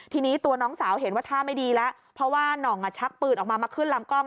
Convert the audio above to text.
ทีนี้ตัวน้องสาวเห็นว่าท่าไม่ดีแล้วเพราะว่าน่องชักปืนออกมามาขึ้นลำกล้อง